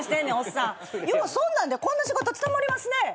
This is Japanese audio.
ようそんなんでこんな仕事務まりますね。